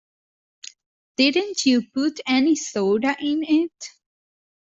Didn't you put any soda in it?